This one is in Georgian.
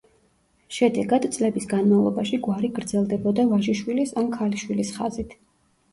შედეგად, წლების განმავლობაში გვარი გრძელდებოდა ვაჟიშვილის ან ქალიშვილის ხაზით.